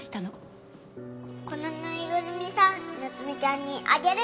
このぬいぐるみさん菜津美ちゃんにあげる。